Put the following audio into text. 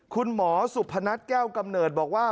คุณหมอสุพนัทแก้วกำเนิดบอกว่า